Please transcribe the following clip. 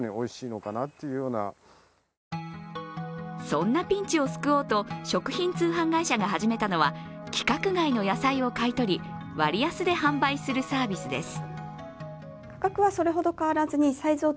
そんなピンチを救おうと、食品通販会社が始めたのは規格外の野菜を買い取り割安で販売するサービスです。